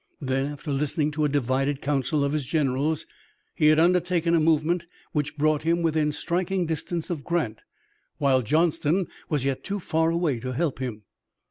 Then, after listening to a divided council of his generals, he had undertaken a movement which brought him within striking distance of Grant, while Johnston was yet too far away to help him.